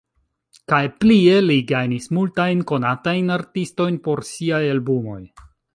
Kaj plie li gajnis multajn konatajn artistojn por siaj albumoj.